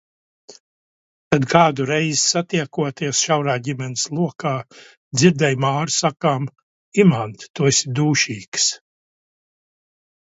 Tad kādu reizi satiekoties šaurā ģimenes lokā, dzirdēju Māru sakām: Imant, Tu esi dūšīgs.